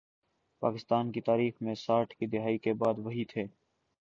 پاکستان کی تاریخ میں ساٹھ کی دہائی کے بعد، وہی تھے۔